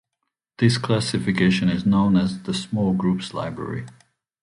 This classification is known as the Small Groups Library.